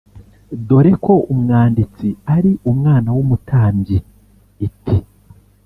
dore ko umwanditsi ari umwana w’umutambyi iti